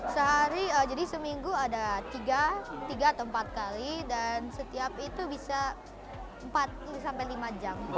sehari jadi seminggu ada tiga tiga atau empat kali dan setiap itu bisa empat sampai lima jam